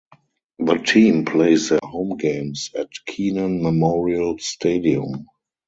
The team plays their home games at Kenan Memorial Stadium.